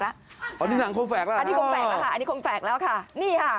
อันนี้หนังโคมแฟกแล้วครับโอ้โฮอันนี้โคมแฟกแล้วค่ะนี่ค่ะ